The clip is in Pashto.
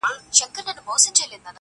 • شراب لس خُمه راکړه، غم په سېلاب راکه.